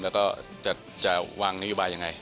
แล้วก็จะวางนิวบายอย่างไร